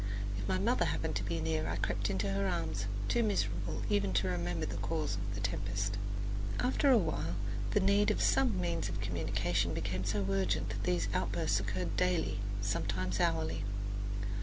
If my mother happened to be near I crept into her arms, too miserable even to remember the cause of the tempest. After awhile the need of some means of communication became so urgent that these outbursts occurred daily, sometimes hourly.